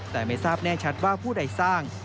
แต่ไม่ทราบแน่ชัดว่าผู้ใดสร้าง